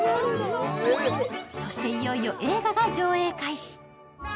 そしていよいよ映画が上映開始。